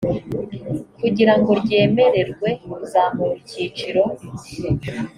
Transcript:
kugirango ryemererwe kuzamura icyiciro